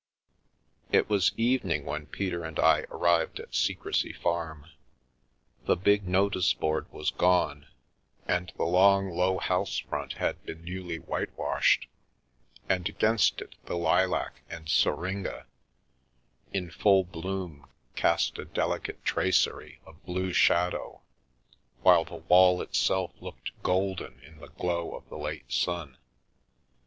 It was evening when Peter and I arrived at Secrecy Farm. The big notice board was gone, and the long, low house front had been newly whitewashed, and against it the lilac and syringa, in full bloom, cast a deli cate tracery of blue shadow, while the wall itself looked golden in the glow of the late sun.